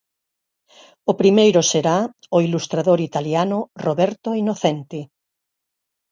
O primeiro será o ilustrador italiano Roberto Innocenti.